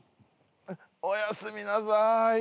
おやすみなさい。